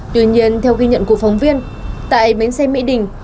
tuy nhiên theo ghi nhận của phóng viên tại bến xe mỹ đình